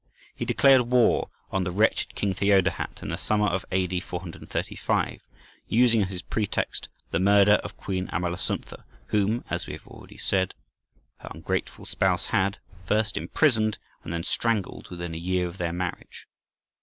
He declared war on the wretched King Theodahat in the summer of A.D. 435, using as his pretext the murder of Queen Amalasuntha, whom, as we have already said, her ungrateful spouse had first imprisoned and then strangled within a year of their marriage.